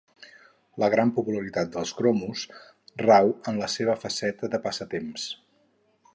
La gran popularitat dels cromos rau en la seva faceta de passatemps.